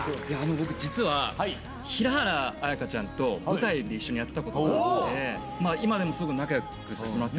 僕実は平原綾香ちゃんと舞台で一緒にやってたことがあって今でもすごく仲良くさせてもらって。